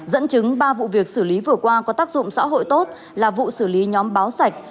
dẫn chứng ba vụ việc xử lý vừa qua có tác dụng xã hội tốt là vụ xử lý nhóm báo sạch